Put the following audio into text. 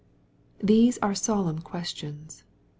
These are solemn questions.